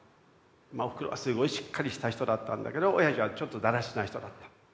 まあおふくろはすごいしっかりした人だったんだけどおやじはちょっとだらしない人だった。